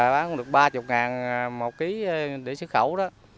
bán cũng được ba mươi đồng một ký để xuất khẩu